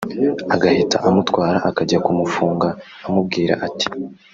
agahita amutwara akajya kumufunga amubwira ati